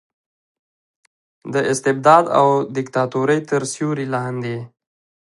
د استبداد او دیکتاتورۍ تر سیورې لاندې